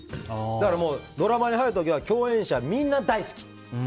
だからドラマに入る時は共演者みんな大好き。